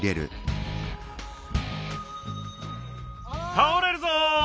たおれるぞ！